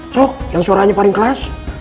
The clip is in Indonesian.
sok yang suaranya paling kelas